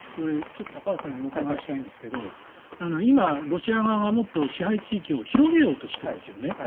高橋さんにお伺いしたいんですが今、ロシア側がもっと支配地域を広げようとしていますよね。